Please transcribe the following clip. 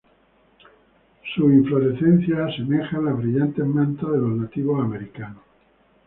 Sus inflorescencias asemejan las brillantes mantas de los nativos americanos.